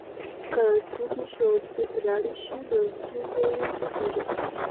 که نجونې ښوونځي ته لاړې شي نو هیلې به یې نه مري.